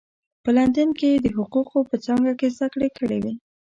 په لندن کې یې د حقوقو په څانګه کې زده کړې کړې وې.